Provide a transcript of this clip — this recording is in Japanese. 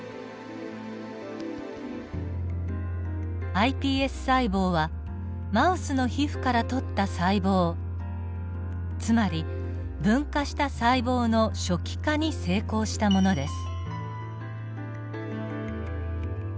ｉＰＳ細胞はマウスの皮膚から採った細胞つまり分化した細胞の初期化に成功したものです。